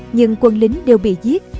nhưng quân lính đều bị giết